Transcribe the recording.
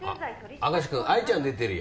明石君愛ちゃん出てるよ